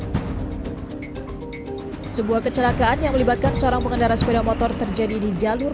hai sebuah kecelakaan yang melibatkan seorang pengendara sepeda motor terjadi di jalur